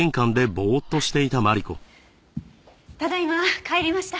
ただ今帰りました。